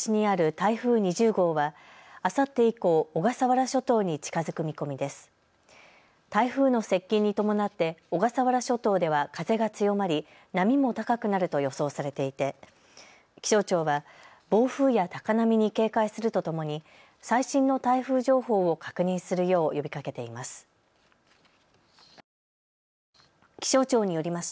台風の接近に伴って小笠原諸島では風が強まり、波も高くなると予想されていて気象庁は暴風や高波に警戒するとともに最新の台風情報を確認するよう呼びかけています。